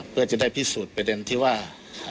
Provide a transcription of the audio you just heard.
เพื่อจะได้พิสูจน์ประเด็นที่ว่า